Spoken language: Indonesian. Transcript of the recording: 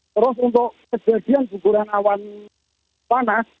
terus untuk kejadian guguran awan panas